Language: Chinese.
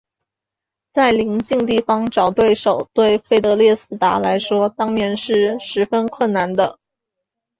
在邻近地方找对手对费德列斯达来说当年是十分困难的。